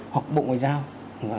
hoặc bộ ngoại giao